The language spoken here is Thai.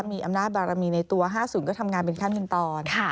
มีอำนาจบารมีในตัว๕๐ก็ทำงานเป็นขั้นเป็นตอน